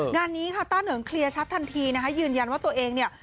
งานนี้ค่ะต้าเหนิงเคลียร์ชัดทันทีนะคะยืนยันว่าตัวเองเนี่ย